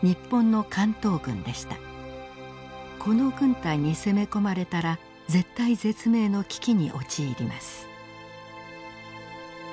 この軍隊に攻め込まれたら絶体絶命の危機に陥ります。